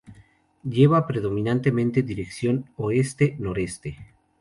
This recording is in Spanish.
Lleva predominantemente dirección oeste-noroeste.